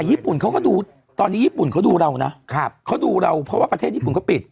แต่ญี่ปุ่นเขาก็ดูตอนนี้ญี่ปุ่นเขาดูเรานะเขาดูเราเพราะว่าประเทศญี่ปุ่นเขาปิด